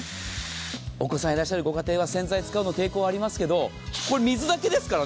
お子さんいらっしゃるご家庭は洗剤使うの抵抗ありますがこれは水だけですから。